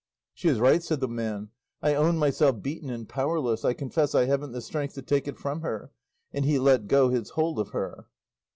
"She is right," said the man; "I own myself beaten and powerless; I confess I haven't the strength to take it from her;" and he let go his hold of her.